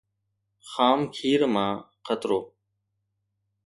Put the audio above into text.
خام کير مان خطرو